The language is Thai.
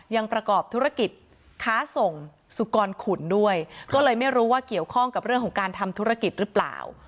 ยังประกอบธุรกิจค้าส่งสุกรขุนด้วยก็เลยไม่รู้ว่าเกี่ยวข้องกับเรื่องของการทำธุรกิจหรือเปล่า